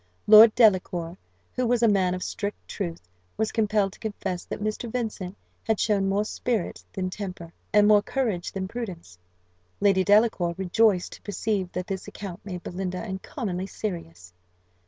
Lord Delacour, who was a man of strict truth, was compelled to confess that Mr. Vincent had shown more spirit than temper, and more courage than prudence. Lady Delacour rejoiced to perceive that this account made Belinda uncommonly serious.